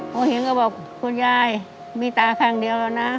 พอเห็นก็บอกคุณยายมีตาข้างเดียวแล้วนะ